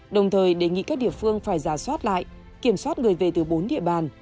đồng thời đề nghị các địa phương phải giả soát lại kiểm soát người về từ bốn địa bàn